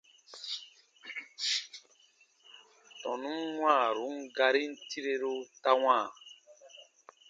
Tɔnun wãarun garin tireru ta wãa.